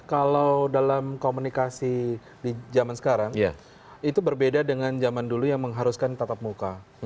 kalau dalam komunikasi di zaman sekarang itu berbeda dengan zaman dulu yang mengharuskan tatap muka